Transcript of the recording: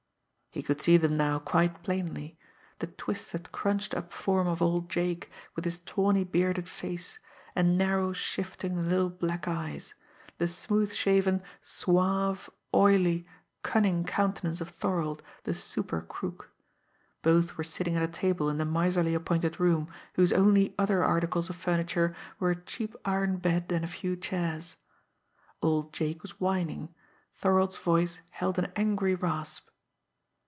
He could see them now quite plainly the twisted, crunched up form of old Jake, with his tawny bearded face, and narrow, shifting little black eyes; the smooth shaven, suave, oily, cunning countenance of Thorold, the super crook. Both were sitting at a table in the miserly appointed room, whose only other articles of furniture were a cheap iron bed and a few chairs. Old Jake was whining; Thorold's voice held an angry rasp.